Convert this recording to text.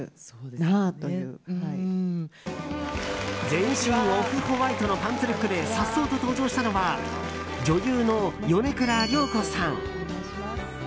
全身オフホワイトのパンツルックでさっそうと登場したのは女優の米倉涼子さん。